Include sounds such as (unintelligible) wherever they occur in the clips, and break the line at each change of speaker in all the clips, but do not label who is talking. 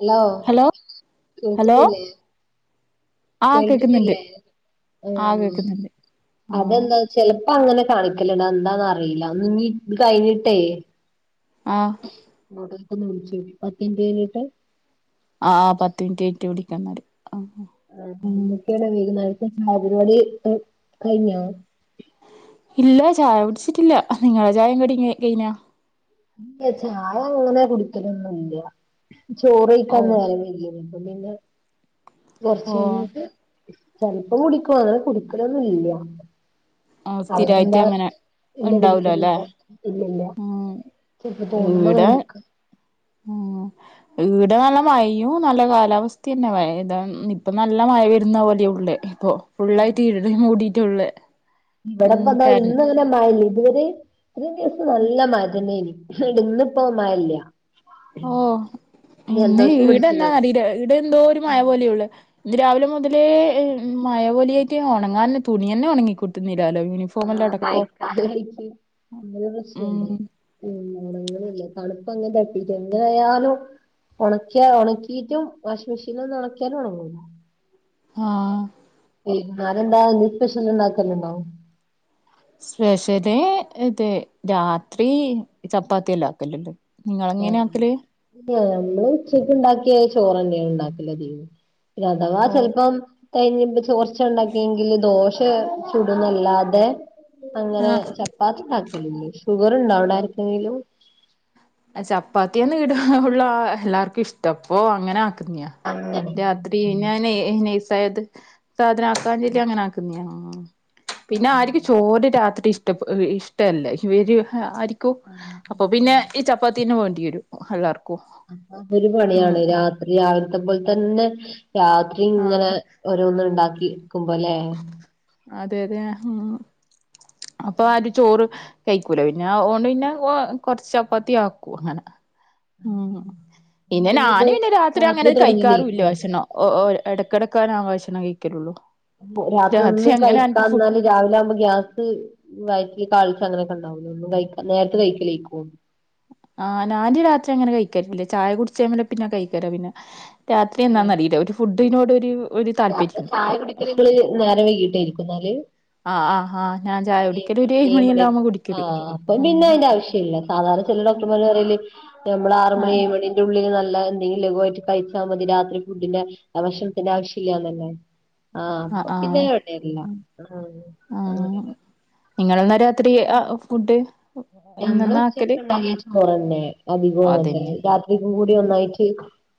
Hello
hello
കേൾക്കുന്നില്ലേ
ആഹ് കേക്കുന്നുണ്ട്
കേൾക്കുന്നില്ലേ
ആഹ്
മ്
കേക്കുന്നുണ്ട് ആഹ്
അതെന്താ ചെലപ്പോ അങ്ങനെ കാണിക്കലണ്ട് അത് എന്താന്നന്ന് അറിയില്ല നീ ഇത് കഴിഞ്ഞിട്ടേ
ആഹ്
ഇങ്ങോട്ടേക്ക് ഒന്ന് വിളിച്ചേ അറ്റന്റ് ചെയ്തിട്ട്
ആഹ് പത്ത് മിനിറ്റ് കഴിഞ്ഞിട്ട് വിളിക്കന്നാല് ആഹ്
കെട്ടിയോന വിളിക്കുന്നെ ചായ പരിപാടി ക്കെ കഴിഞ്ഞോ
ഇല്ല ചായ കുടിച്ചിട്ടില്ല നിങ്ങളുടെ ചായയും കുടി കഴിഞ്ഞ
ഇല്ല ചായ അങ്ങനെ കുടിക്കലൊന്നും ഇല്ല ചോറ് കഴിക്കാൻ
ഓഹ്
നേരം വൈകിയെനു പിന്നില്ലേ കുറച്ച്
ഓഹ്
കഴിഞ്ഞിട്ട് ചിലപ്പം കുടിക്കും അങ്ങനെ കുടിക്കലൊന്നുല്ല
ആഹ്
അവിടെ
സ്ഥിരായിട്ട്
എന്താ
അങ്ങനെ
ഇല്ല
ഉണ്ടാവൂലല്ലേ
കുടിക്കലില്ല ഇല്ലില്ല
ഉം
ചെലപ്പ തോനുന്ന
ഇവിടെ
മകനിക്ക
ഈടെ നല്ല മഴയും നല്ല കാലാവസ്ഥ തന്നെ ഇത ഇപ്പ നല്ല മഴ വരുന്ന പോലെയ ഉള്ളേ ഇപ്പൊ ഫുുള്ളായിട്ട് ഇരുള് മൂടിട്ടുള്ളേ
ഇവിടെപ്പന്താ ഇന്ന് അങ്ങനെ മഴല്ല ഇതുവരെ ഇത്രേം ദിവസം നല്ല മാറ്റംണ്ടേയ്നി ഇവിടെ ഇന്നിപ്പം മഴല്ല
ഓ ഇന്ന്
ജലദോഷം
ഇവിടെ
പിടിച്ച്ണേ
എന്താന്ന് അറിയില്ല ഇവിടെ എന്തോ ഒരു മഴ പോലെയെ ഉള്ളു ഇന്ന് രാവിലെ മുതലേ മഴ പോലിയായിറ്റ് ഒണങ്ങാൻ തുണിയെന്നെ ഒണങ്ങിക്കിട്ടുന്നില്ലാലോ യൂനി
ആഹ് മയക്കലായ്റ്റ് അങ്ങനൊരു പ്രശ്നണ്ട്.
ഉം
ഉം ഒണങ്ങ്ണില്ലെ തണുപ്പങ്ങനെ തട്ടീറ്റ് എങ്ങനായാലും ഒണക്കിയ ഒണക്കീറ്റും വാഷിംഗ് മെഷീനൊന്നും ഒണക്ക്യാലും ഒണങ്ങൂലാ.
ഹാഹ്
വെയ്ന്നാരെന്താ എന്തീം സ്പെഷ്യൽ ഉണ്ടാക്കല്ണ്ടോ?
സ്പെഷല് ഇത് രാത്രി ചപ്പാത്തി എല്ല ആക്കല്ണ്ട്.
ആഹ് ഞങ്ങള് ഉച്ചക്ക് ഉണ്ടാക്കിയ ചോറന്നേണ് ഉണ്ടാക്കല് അധികും. പിന്നെ അഥവാ
ഓ
ചെൽപ്പം കയ്ഞ്ഞ് പ്പ കൊർച്ചാ ഇണ്ടാക്കിയെങ്കില് ദോശെ ചുടും ന്നല്ലാതെ അങ്ങനെ
ആഹ്
ചപ്പാത്തി ഉണ്ടാക്കലില്ലേ ഷുഗർ ഉണ്ടോ അവിടാർക്കെങ്കിലും.
ചപ്പാത്തിയാന്ന് ഈട ഉള്ള എല്ലാർക്കും ഇഷ്ടം അപ്പൊ അങ്ങനെ ആക്കുന്നിയാ.
ആഹ്
രാത്രി ഞാനേ നയ്സായത് സാധനം ആക്കാഞ്ചെലി അങ്ങനെ ആക്കുന്നെയാ.
ആഹ്
പിന്നെ ആരിക്കും ചോര് രാത്രി ഇഷ് ട്ട് ഇഷ്ടല്ല ഇവര് ആരിക്കൂ
ആഹ് ആഹ്
അപ്പൊ
ആഹ്
പിന്നെ ചപ്പാത്തിയെന്നെ വേണ്ടിയേരും എല്ലാർ
അതൊരു പണിയാണ് രാത്രി രാവിൽത്ത പോലെ തന്നെ രാത്രിങ്ങനെ
ആഹ്
ഓരോന്ന് ഇണ്ടാക്കിക്കുമ്പല്ലേ
അതെ അതെ ഹാ അപ്പൊ ആരു ചോറ് കഴിക്കൂല പിന്നെ അവോണ്ട് പിന്നെ ഒ കൊർച്ച് ചപ്പാത്തി ആക്കും അങ്ങനെ. ഉം പിന്നെ ഞാന് പിന്നെ രാത്രി അങ്ങനെ കഴിക്കാറൂല്ല്യ ഭക്ഷണം. ഓ ഒര് എടക്കെടക്ക ഞാൻ ഭക്ഷണം കഴിക്കലൊള്ളൂ.
പൊ രാത്രി ഒന്നും കഴിക്കാന്നാല് രാവിലെ ആകുമ്പോ ഗ്യാസ് വയറ്റിൽ കാൾച അങ്ങനെയൊക്കെ ഇണ്ടാവൂലേ ഒന്നും കഴിക്കാ നേരത്തെ കഴിക്കലേക്കും
ആഹ് ഞാൻ രാത്രി അങ്ങനെ കഴിക്കലില്ല ചായ കുടിച്ചേമലെ പിന്നെ കഴിക്കര പിന്നെ. രാത്രി എന്നാന്നറീല ഒരു ഫുഡിനോട് ഒരു ഒരു
രാത്രി ചായ
താല്പര്യംണ്ട്
കുടിക്കൽ ഇങ്ങള് നേരം വൈകിട്ടേയിരിക്കും ന്നാല്.
ആഹ് ആഹ് ആഹ് ഞാൻ ചായ
ഏഴ്
കുടിക്കല്
മ
ഒരു
ഏഴ്
മണിയെല്ലാം ആവുമ്പോ
മണിയൊക്കാവും.
കുടിക്കല്
അപ്പം
ഉം
പിന്നെ അയിന്റെ ആവശ്യല്ല. സാധാരണ ചില ഡോക്ടർമാര് പറയല് ഞമ്മൾ ആറ് മണി
ആഹ്
ഏഴ് മണി ൻ്റുള്ളില് നല്ല എന്തെങ്കിലും ലഗുവായിട്ട് കഴിച്ചാ മതി. രാത്രി ഫുഡിന്റെ ഭക്ഷണത്തിന്റെ ആവശ് ഇല്ല്യാന്നല്ലേ ആഹ് അപ്പ പിന്നെ എവിടെല്ല ആഹ് അങ്ങനെ
ആഹ്
ലേ
നിങ്ങളെന്നാ രാത്രി ആ അ ഫുഡ്?
ഞമ്മള്
ഇന്നെന്നാ
ഉച്ചക്ക്
ആക്കല്
ഇണ്ടാക്കിയ ചോറന്നെ അധികു അങ്ങൻതന്നെ.
അതന്നെ
രാത്രിക്കും കൂടി ഒന്നായിറ്റ്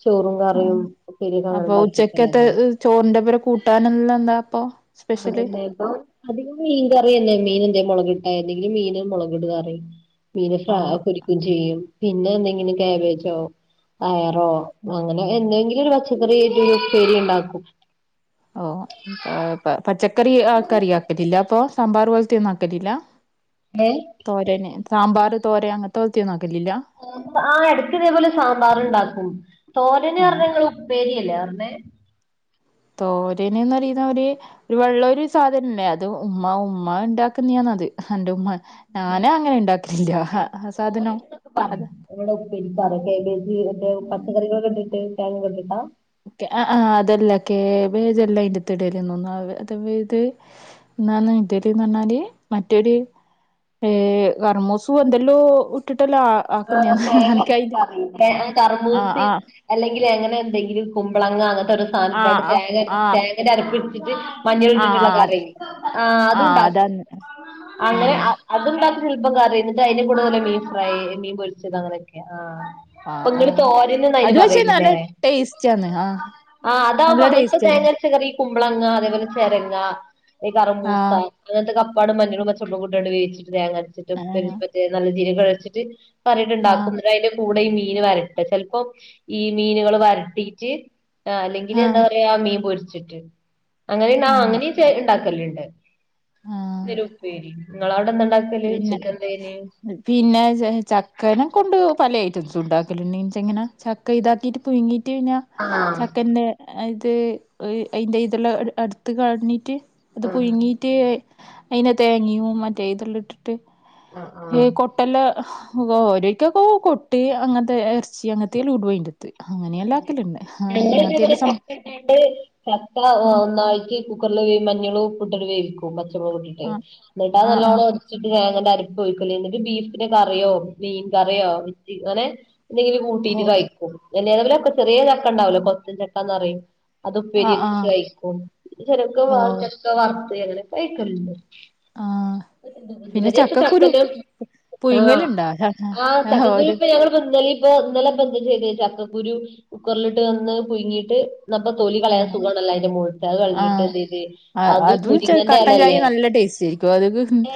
ചോറും
ആഹ്
കറിയും ഉപ്പേരി ഒക്കെ
അപ്പൊ
അങ്ങനെണ്ടാക്കി
ഉച്ചക്കത്തെ
വെക്കലെന്നെ.
ചോറിന്റെ ഒപ്പരം കൂട്ടാനെള്ളന്താ അപ്പൊ? സ്പെഷ്യല്
അതന്നെ പ്പം അധികും മീൻ കറിയെന്നെ മീൻ എന്തെം മൊളക് ഇട്ട എന്തെങ്കിലും മീന് മൊളക് ഇടും കറി മീന് ഫ്ര
ഓ
പൊരിക്കും ചെയ്യും പിന്നെ എന്തെങ്കിലും കേബേജോ (unintelligible) ട്ടോ അങ്ങനെ എന്തെങ്കിലും ഒരു പച്ചക്കറി ആയിറ്റൊരു ഉപ്പേരി ണ്ടാക്കും.
ഓഹ് അപ്പ പ പച്ചക്കറി ആ കറി ആക്കലില്ല അപ്പൊ സാമ്പാർ പോൽത്തെയൊന്നും ആക്കലില്ല.
ഏഹ്?
തോരന് സാമ്പാർ തോര അങ്ങൻത്തെ കോൽത്തിയൊന്നു ആക്കലില്ല.
ആഹ് പ എട്ക്ക് ഇതേപോലെ സാമ്പാർ ണ്ടാക്കും തോരന്
ആ
പർഞാ ഇങ്ങള് ഉപ്പേരിയല്ലേ പർഞ്ഞേ.
തോരന് ന്ന് പറ്യുന്ന ഒര് ഒരു വെള്ള ഒരു സാധനംല്ലേ അത് ഉമ്മ ഉമ്മ ഉണ്ടാക്കുന്നെയാണത് അന്റുമ്മ. ഞാനു അങ്ങനെ ഇണ്ടാക്കലില്ല ആ സാധനം
പറയും
അതാ ആഹ്
പച്ചക്കറികളൊക്കെട്ട്ട്ട് തേങ്ങെക്കെ ഇട്ട്ട്ടാ?
ക്കെ ആഹ് ആഹ് അതല്ല, കേബേജെല്ല അയ്ന്റത്തിടല് തോന്നുന്നു (unintelligible) ന്നാന്ന് ന്റെത് ന്നർഞ്ഞാല് മറ്റൊര് ഏ കർമൂസു എന്തെല്ലോ ഇട്ട്ട്ടെല്ലാ
ആഹ് തേങ്ങര്ച്ച കറി. ഏ
ആഹ്
കർമൂസി
ആഹ്
അല്ലെങ്കില് എങ്ങനെ എന്തെങ്കിലും കുമ്പളങ്ങ അങ്ങൻത്തോരോ സാനട്ടാണ്ട്, തേങ്ങ
ആഹ്
അര്
ആഹ്
തേങ്ങന്റെ അരപ്പ്ട്ത്ത്ട്ട്
ആഹ്
മഞ്ഞള്ട്ടിട്ട്ള്ള
ആഹ്
കറി,
അതെ
ആഹ് അതൂണ്ടാക്കും. അങ്ങനെ
ആഹ്
അ അത്ണ്ടാക്കും (unintelligible) പ്പം കറി. ഇന്ന്ട്ടയ്ന്റെ വല്ല മീൻ ഫ്രൈ, മീൻ പൊരിച്ചത് അങ്ങനെയൊക്കെ ആഹ്.
ആഹ്
അപ്പൊങ്ങള്
ആഹ്
തോരന് ന്നാ അയ്ന്
അത് പക്ഷെ
പറയല്
നല്ല
ലേ?
ടേസ്റ്റാന്ന് ആഹ്
ആഹ് അതാവുമ്പൊ
നല്ല
അങ്ങൻത്തെ
ടേസ്റ്റാന്ന്
തേങ്ങര്ച്ച കറി, ഈ കുമ്പ്ളങ്ങ അതേപോലെ ചെരങ്ങ, ഈ കറ്മൂസാ
ആഹ്
അങ്ങത്തെക്കെ അപ്പാടും മഞ്ഞളും, പച്ചൊളകും കൂട്ടിയാണ്ട് വേവിച്ചിട്ട് തേങ്ങര്ച്ചിട്ട്
ആഹ്
മറ്റേ നല്ല ജീരകം അരച്ച്ട്ട് (unintelligible)
ആഹ്
ണ്ടാക്കും, ന്ന്ട്ടയ്ന്റെ കൂടെ ഈ മീൻ വരട്ട. ചെൽപ്പം ഈ മീനുകള് വരട്ടീറ്റ് ആഹ് അല്ലെങ്കില് ന്താ
ആഹ്
പറയാ മീൻ പൊരിച്ചിട്ട് അങ്ങനെ ന്നാ
ആഹ്
അങ്ങനി ചെ ഇണ്ടാക്കല്ണ്ട്.
ആഹ്
ന്തേലുപ്പേരി ങ്ങളോടെ എന്താണ്ടാ
പിന്നെ പിന്നെ (unintelligible) ചക്കനെ കൊണ്ട് പല ഐറ്റംസും ഇണ്ടാക്കലണ്ട് ൻച്ചങ്ങനെ. ചക്ക ഇതാക്കീട്ട് പുയ്ങ്ങീട്ട് പിന്ന,
ആഹ്
ചക്കന്റെ അ ഇത് അയ്ന്റെ ഇതെല്ലാം എട് അട്ത്ത് കൾഞ്ഞീട്ട് അത്
ആഹ്
പുയ്ങ്ങീട്ട് അയ്നെ തേങ്ങ്യൂം മറ്റേ ഇതെല്ലം ഇട്ടിട്ട്
ആഹ്
ഹേ
ആഹ്
കൊട്ടല്ല വോ ഓരീക്കൊക്കെ കൊട്ടീ അങ്ങൻത്തെ എർച്ചി അങ്ങനത്തീലു ഇടു (unintelligible)
(unintelligible) ചക്ക
സം
ഇട്ടാണ്ട് ചക്ക ഒന്നായ്റ്റ് കുക്കർല് വേം മഞ്ഞളും ഉപ്പുട്ടണ് വേവിക്കും, പച്ചൊമളകൂട്ട്ട്ട്.
ആ
ഇന്ന്ട്ടത്
ആ ആ ആ
നല്ലോണം ച്ച്ട്ട് ഞാനയ്ന്റെ അരപ്പൊയ്ക്കല്, എന്നിട്ട് ബീഫിന്റെ കറിയോ, മീൻ കറിയോ ഇങ്ങനെ എന്തെങ്കിലും
ഓ
കൂട്ടിട്ട് കഴിക്കും. (unintelligible) ചെറ്യേ ചക്കണ്ടാവൂലേ, കൊത്തൻ ചക്കാന്ന് പറയും. അത്
ആ ആ
ഉപ്പേരിയാക്കി കഴിക്കും. പിന്നെ (unintelligible) ചക്ക
ഓ
വറുത്ത് അങ്ങനൊക്കെ കഴിക്കല്ണ്ട്.
ആ
(inaudible) ഇതു
പിന്നെ
വരേപ്പ
ചക്കക്കുരു
ചക്കല് ആഹ്,
പുഴുങ്ങലുണ്ടോ
ആഹ്
ആ, ഒരു
ചക്കക്കുരുപ്പൊ ഞങ്ങള്പ്പ ഇന്നലിം ഇപ്പെ ഇന്നലെപ്പ എന്ത ചെയ്തെ, ചക്കക്കുരു കുക്കർല്ട്ട് നന്നായ് പുഴുങ്ങീട്ട് ഇന്നപ്പ തൊലി കളയാൻ
ആഹ്
സുഖാണല്ലൊ അയ്ന്റെ മോൾത്തെ. അത്
ആഹ്
കൾഞ്ഞ്ട്ടെന്തെയ്ത്, അതും മുരിങ്ങന്റെലല്ലേ
ടേസ്റ്റേ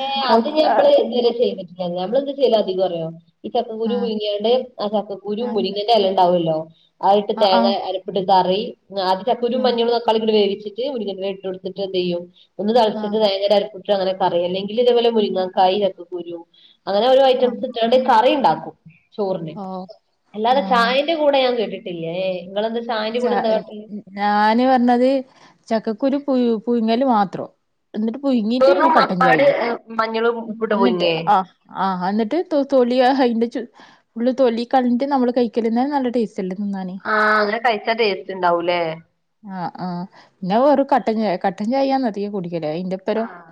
ഏഹാ അത് ഞാൻ ഇപ്പള് ഇത് വരേ ചെയ്തിട്ടി എ ഞമ്മളെന്ത ചെയ്യല് അധികറ്യോ, ഈ ചക്കക്കുരു
ആഹ്
പുയ്ങ്ങ്യാണ്ട്, ആ ചക്കക്കുരു മുരിങ്ങന്റെല ണ്ടാവൊല്ലോ. അത്ട്ട് തേങ്ങ
ആഹ്
അരപ്പ്ട്ട് കറി ആദ്യം ചക്കുരും
ആഹ് ആഹ്
മഞ്ഞളും തക്കാളിക്കിട്ട് വേവിച്ച്ട്ട്, മുരിങ്ങന്റെല ഇട്ടൊട്ത്ത്ട്ട് എന്തെയ്യും ഒന്ന് തെളച്ച്ട്ട്
ആഹ്
തേങ്ങന്റെ അര്പ്പ് (unintelligible) അങ്ങനെ പറയ, അല്ലെങ്കില് ഇതേപോലെ മുങ്ങക്കായിം ചക്കക്കുരും. അങ്ങനെ ഓരോ
ആഹ്
ഐറ്റംസ്ട്ടാ കറിണ്ടാക്കും ചോറിന്.
ഓഹ്
അല്ലാതെ
ആഹ്
ചായന്റെ കൂടെ ഞാൻ കേട്ടിട്ടില്ല ഏ ഇങ്ങളെന്ത
ച ഞാന് പർഞ്ഞത് ചക്കക്കുരു പുയു പുയ്ങല് മാത്രം. എന്നിട്ട് പുയുങ്ങീട്ട് പിന്നെ
വെറും അപ്പാട്
കട്ടഞ്ചായയും.
മഞ്ഞളും ഉപ്പിട്ട്
എന്നിട്ട്
പുഴുങ്ങേ
ആഹ് ആഹ് എന്നിട്ട് തൊ തൊലിയ അയ്ന്റെ ചു ഫുള്ള് തൊലി കൾഞ്ഞിട്ട് നമ്മള് കഴിക്കല്ന്നേ നല്ല ടെസ്റ്റല്ലെ തിന്നാന്
ആഹ് അങ്ങനെ കയ്ച്ചാ ടെസ്റ്റ്‌ണ്ടാവുലേ?
ആഹ് ആഹ്. പിന്നെ വെറും കട്ടൻചായ കട്ടൻചായാന്ന് അധികം കുടിക്കല് അയ്ന്റൊപ്പരം.
ആഹ്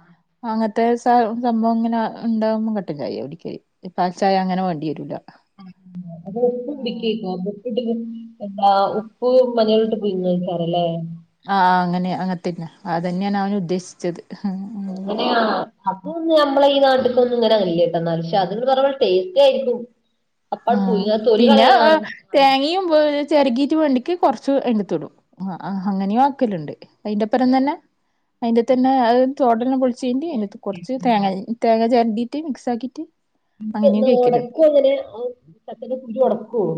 അങ്ങ ത്തേ സ സംഭവം ഇങ്ങനെ ഇണ്ടാവുമ്പൊ കട്ടൻചായ് യാ കുടിക്കല്, പാൽചായ അങ്ങനെ വാണ്ടി വെരൂല.
അപ്പൊ ഉപ്പ് പിടിക്കെയ്ക്കും, അപ്പൊ ഉപ്പ്ട്ട് ട്ട് എന്താ ഉപ്പ് മഞ്ഞളൂട്ട് പുയ്ങ്ങെയ്ക്കാരലേ?
ആഹ് അങ്ങനെ അങ്ങൻത്തന്ന്യ. അതന്ന്യാണവന് ഉദ്ദേശിച്ചത്.
അങ്ങനെയ അതൊന്ന് നമ്മള ഈ നാട്ടന്ന് ഇങ്ങനെ അങ്ങനല്ലട്ടന്നാ പക്ഷെ അന്ന് പറയുമ്പൊ ടേസ്റ്റ് ആയിരിക്കും അപ്പാട്
ആഹ്
പുഴുങ്ങാ തൊലി
പിന്നാ
കളയാ
തേങ്ങയും (unintelligible) ചെറകീട്ട് വേണ്ടിക്ക് കൊറച്ച് എടുത്തുടും അഹ് അങ്ങനെയും ആക്കലിണ്ട് അതിന്റെപ്പറം തന്നെ അതിന്റെ തന്നെ അത് തോടന്നെ പൊളിച്ച് കഴിഞട്ട് അതിന്റാത്ത് കുറച്ച് തേങ്ങ തേങ്ങ ചെരണ്ടീട്ട് മിക്സ് ആക്കീട്ട്
ഇത് എന്നാ എടക്കങ്ങനെ സച്ചിന്റെ (unintelligible)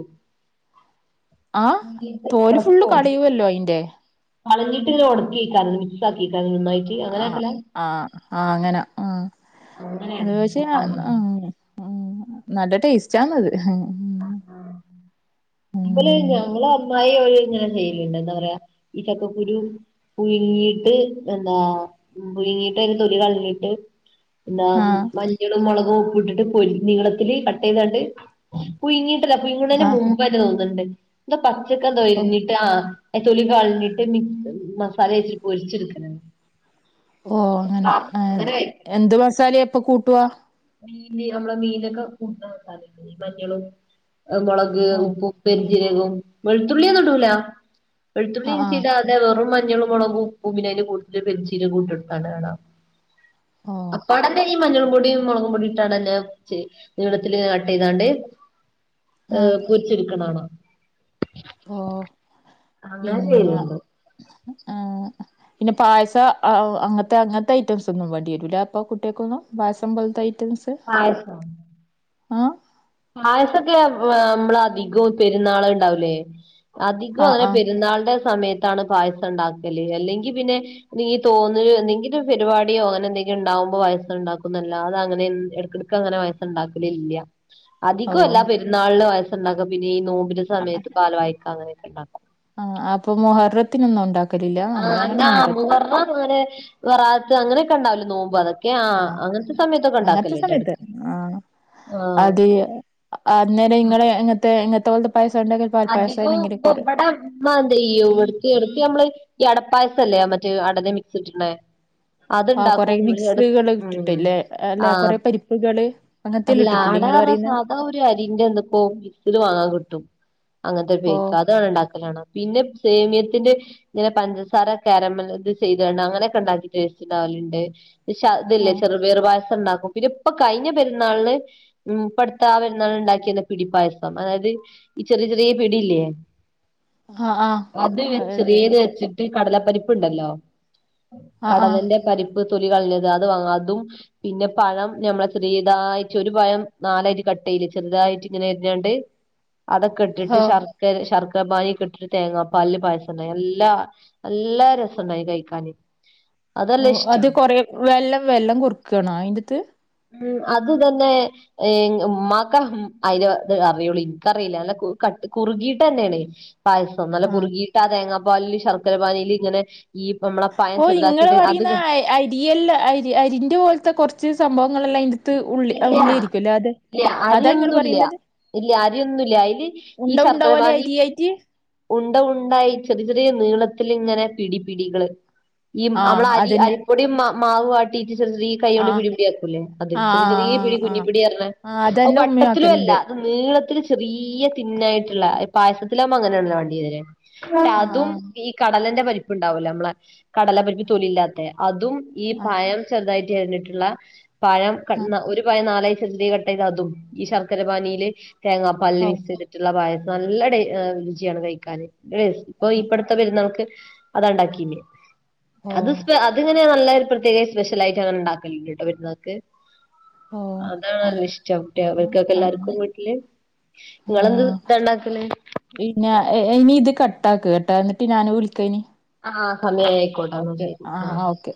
ആഹ് തോല് ഫുള്ള് കളയുവല്ലൊ അയിന്റെ
കളഞ്ഞിട്ടില്ലെ ഒടക്കിവെക്കാന്ന്
ആഹ് ആഹ് ആഹ് അങ്ങന ആഹ് അത്
അങ്ങനെയാണ്
പക്ഷെ
കൂട്ടാൻ
ആഹ്
പോണത്
അഹ് നല്ല ടേസ്റ്റാന്നത്
ആഹ് നമ്മല്
ഉം
ഞങ്ങള് അമ്മായി ഓരിങ്ങനെ ചെയ്യലിണ്ട് എന്താ പറയാ ഈ ചക്കക്കുരു പുഴുങ്ങീട്ട് എന്താ പുഴുങ്ങീട്ടതിന്റെ തൊലി കളഞ്ഞിട്ട് എന്താ
ആഹ്
മഞ്ഞളും മുളകും ഉപ്പിട്ടിട്ട് പൊരി നീളത്തില് കട്ടെയ്തട്ട് പുഴുങ്ങീട്ടല്ല പുഴുങ്ങണേന്
ആഹ്
മുമ്പെ ആന്ന് തോന്നണിണ്ട് എന്തോ പച്ചക്കെന്തോ
ഓഹ്
അരിഞ്ഞി ട്ട് ആഹ് തൊലി കളഞ്ഞിട്ട് മിക് മസാല തേച്ച് പൊരിച്ചടുക്കണ്
ഓഹ് അങ്ങനെ ആത്‌
അങ്ങനെ കഴിക്കും
എന്ത് മസാലയാ അപ്പ കൂട്ടുവാ
മീന് നമ്മളെ മീനൊക്കെ കൂട്ടണ മസാലയില്ലെ മഞ്ഞളും മുളക്
ഓഹ്
ഉപ്പും പെരിംജീരകവും വെളുത്തുള്ളിയൊന്നും ഇടൂല വെളുത്തുള്ളി
ആഹ്
ഇഞ്ചി
ആഹ്
ഇടാ തെ വെറും മഞ്ഞളും മൊളകും ഉപ്പും പിന്നതിന്റെ കൂട്ടത്തില് പെരിംജീരകവും ഇട്ടിട്ടാണ് കാണാം
ഓഹ്
അപ്പാടന്റെ ഈ മഞ്ഞള്പൊടിയും മുളകു പൊടീട്ടാണന്റ് ച്ച് നീളത്തില് കട്ടെയ്താണ്ട്
ആഹ്
വെച്ചിരിക്കണാണോ
ഓഹ്
അങ്ങനെ
പിന്ന
ചെയ്യലുണ്ട്
ആഹ് പിന്ന പായസ അഹ് അങ്ങനത്തെ അങ്ങനത്തെ ഐറ്റംസ് ഒന്നും വേണ്ടി വരൂല്ല അപ്പൊ കുട്ടികക്കൊന്നും പായ്സം പോലത്ത ഐറ്റംസ്
(unintelligible)
ആഹ്
പായസൊക്കെ ആഹ് നമ്മള അധികവും പെരുന്നാള് എണ്ടാകൂലേ അധികോം
ആഹ്
അങ്ങനെ
ആഹ്
പെരുന്നാളിന്റെ സമയത്താണ് പായസം എണ്ടാക്കല് അല്ലെങ്കി പിന്നെ എനിക്ക്‌ തോന്നണ് എന്തെങ്കിലും പരിപാടിയോ അങ്ങനെ എന്തെങ്കി ഇണ്ടാകുമ്പോ പായസം ഇണ്ടാക്കുന്നല്ലാതങ്ങനെ എൻ എടക്കെട ക്കങ്ങനെ പായസ്സെണ്ടാക്കലില്ല അധികല്ല
ഓഹ്
പെരുന്നാളിന് പായസെണ്ടാക്ക പിന്നെ ഈ നോമ്പിന്റെ സമയത്ത് പാല് വായിക്ക അങ്ങനെയൊക്കെ ഇണ്ടാ
ആഹ് അപ്പൊ മൊഹറത്തിനൊന്നും ഒണ്ടാ
ആഹ് (unintelligible) മുഹറം അങ്ങനെ വെറാത്ത് അങ്ങനെയൊക്കെ എണ്ടാവുല്ലെ നോമ്പ് അതൊ ക്കെ ആഹ് അങ്ങനത്തെ സമയത്തൊക്കെ
അങ്ങനത്തെ
എണ്ടാക്കലിണ്ട്
സമയത്ത്
എടക്ക്
ആഹ്
ആഹ്
അത് അന്നേരം ഇങ്ങളെ എങ്ങനത്തെ എങ്ങനത്തെ പോലത്തെ പായസം എണ്ടാക്കല്
അതികോം ഇപ്പ ഇവിട ഉമ്മാന്ത്‌ ചെയ്യും ഇവിടുത്തി എടക്ക് നമ്മള് ഈ അടപ്പായസില്ലേ മറ്റേ അടെട മിക്സ്ട്ടിള്ളെ
ആഹ് കൊറെ
അതെണ്ടാക്കും എടക്ക്
മിക്സുകള്
ഉം
ഇട്ടിട്ടില്ലേ അല്ല
ആഹ്
കൊറെ പരിപ്പുകള് അങ്ങനത്തെല്ലേ
അല്ല
ഇട്ടിട്ടുള്ളൂ
അടാ
ഇങ്ങള്
പറഞ്ഞ
പറയുന്നെ
സാധാ ഒരു അരിന്റെന്തിപ്പോ മിക്സിഡ് വാങ്ങാൻ കിട്ടും അങ്ങനത്തെ
ഓഹ്
ഉപയോഗിക്കാ അതാണെണ്ടാക്കല് കാണാ പിന്നെ സേമിയത്തിന്റെ പിന്നെ പഞ്ചസാര കാരമല് ഇത് ചെയ്തണ അങ്ങനെക്കെ ഇണ്ടാക്കീട്ട് ടേസ്റ്റിണ്ടാവലിണ്ട് ശ ഇതില്ലേ
ആഹ്
ചെറുപയറ് പായസം ഇണ്ടാക്കും. പിന്നെ ഇപ്പ കഴിഞ്ഞ പെരുന്നാളിന് ഉം പ്പടുത്താ പെരുന്നാളിന് ഉണ്ടാക്കിന്ന് പിടിപ്പായസം അതായത് ചെറിയ ചെറിയ പിടില്ലേ
ആഹ്
അത് വെ
ആഹ് അതെ
ചെറിയത് വെച്ച കടലപ്പരിപ്പ്ണ്ടല്ലോ
ആഹ് ആഹ്
കടലന്റെ പരിപ്പ് തൊലി കളഞ്ഞത് അത് വാങ്ങ അതും പിന്നെ പഴം ഞമ്മളെ ചെറിയേതായിട്ട് ഒരു പഴം നാലായിട്ട് കട്ടേയ്യൂലെ ചെറുതായിട്ട് ഇങ്ങനെ അരിഞ്ഞാണ്ട് അതൊക്കെ ഇട്ടിട്ട്
ഓഹ്
ശർക്കര ശർക്കര പാനി ഒക്കെ ഇട്ടിട്ട് തേങ്ങാപ്പല് പായസം (unintelligible) എല്ലാ നല്ലരസണ്ടായ്ന്ന് കൈക്കാന്
ഓഹ് അത് കൊറെ വെള്ളം വെള്ളം കുറക്കാണോ അയിന്റത്
ഉം അത തന്നെ ഏഹ് ഉമ്മാക്കാ അയിന്റെ ഇത് അറിയുള്ളൂ ഇൻക്കറിയില്ല നല്ല കട്ട് കുറുകീട്ടന്നേണ് പായസം. നല്ല
ആഹ്
മുറുകിയിട്ട് ആ തേങ്ങാപ്പാലിൽ ശർക്കര പാനീല് ഇങ്ങനെ ഈ പ്പം നമ്മളെ പയം ചെുതാക്കിയിട്ട് അത്
(unintelligible) അരിയല്ലാം അരി അരിന്റെ പോലത്തെ കുറച്ച് സംഭവങ്ങളെല്ലാം ഇ ത് ഉള്ളി അത്‌ ഉള്ളി ആയിരിക്കുല്ലേ അതെ
ഇല്ല
അതാ ഇങ്ങള്
അരിയൊന്നുല്ല
പറയുന്നത്
ഇല്ല ആരിയൊന്നുല്ല അയ്ല് ഈ ശർക്കര പാനി
യെറ്റ്
ഉണ്ട ഉണ്ടായി ചെറിയ ചെറിയ നീളത്തില്ങ്ങനെ പിടി പിടികള് ഈ നമ്മള
ആഹ്
അരി
അതന്നെ
അരി പൊടിമാവ് മാവ് വാട്ടീറ്റ് ചെറി ചെറീ കയ്യോണ്ട്
ആഹ്
പിടിപിടിയ ആക്കൂല്ലെ അത്
ആഹ്
ചെറി ചെറിയ
ആഹ്
പിടി കുഞ്ഞി
ആഹ്
പിടി പറഞ്ഞ
ആഹ്
അത്
അതന്നെ ഉമ്മയും
വട്ടത്തിലും അല്ല
ആക്കലുണ്ട്
നീളത്തില് ചെറിയ തിന്നായിട്ടുള്ള പായസത്തിലാവുമ്പോ അങ്ങനെയാണല്ലോ വണ്ടിയ (unintelligible) അതും
ആഹ്
ഈ കടലന്റെ പരിപ്പ് ഉണ്ടാവലോ നമ്മളെ കടല പരിപ്പ് തൊലില്ലാത്ത അതും ഈ
ആഹ്
പഴം ചെറുതായിട്ട് അരിഞ്ഞിട്ടുള്ള പഴം കട്
ആഹ്
ഒരു പായം നാലായി ചെറി ചെറിയ അയ്ലതും ഈ ശർക്കര പാനിയില് തേങ്ങാ പാനില്
ഓ
മിക്സ് ചെയ്ത് ട്ട്ള്ള പായസം നല്ലടേ രുചിയാണ് കഴിക്കാന് ഇപ്പൊ ഇപ്പടുത്തെ പെരുന്നാൾക്ക് അതാണ്ടാക്കീന്ന്
ഓഹ്
അത്പ്പ അതിങ്ങനെ നല്ലാര് (unintelligible) ചെലേ സ്പെഷ്യലായിട്ട് അങ്ങനെണ്ടാക്കല്ട്ടോ പെരുന്നാക്ക്
ഓഹ്
അതാണല്ലോ ഇഷ്ടം കുട്ടിയ ഇവൽക്കൊക്കെ
അങ്ങനെ
എല്ലാർക്കും വീട്ടില്.
ആഹ്
നിങ്ങളെന്ത്താണ്ടാക്കല്
പിന്നെ ഇനി ഇത് കട്ടാക്ക്കെട്ടാ ന്നിട്ട് ഞാന് വിളിക്ക ഇനി
ആഹ് സമയായി ആയിക്കോട്ടാ. എന്നാ
ഓക്കെ
ശരി ആഹ്
ഓക്കെ